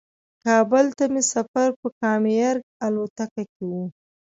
کابل ته مې سفر په کام ایر الوتکه کې و.